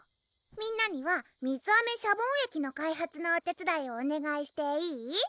みんなには水あめシャボン液の開発のお手つだいをおねがいしていーい？